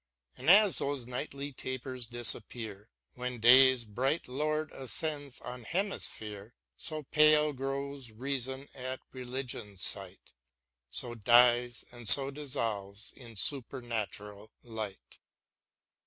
And as those nightly tapers disappear, When day's bright lord ascends on hemisphere ; So pale grows Reason at Religion's sight ; So dies, and so dissolves in supernatural light.